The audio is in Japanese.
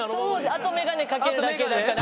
あと眼鏡かけるだけだから。